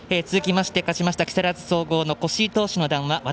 続きまして、勝ちました木更津総合の越井選手の談話。